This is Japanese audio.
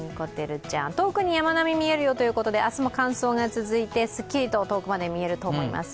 遠くに山並み見えるよということで明日も乾燥が続いて、すっきりと遠くまで見えると思います。